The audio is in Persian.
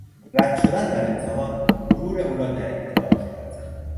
رد شدن در امتحان غرور او را جریحهدار کرد.